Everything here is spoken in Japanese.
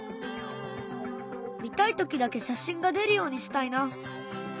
見たい時だけ写真が出るようにしたいな。